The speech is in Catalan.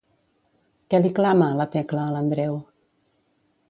Què li clama, la Tecla a l'Andreu?